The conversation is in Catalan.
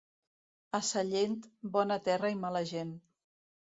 A Sallent, bona terra i mala gent.